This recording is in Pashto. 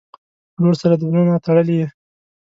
ورور سره د زړه نه تړلې یې.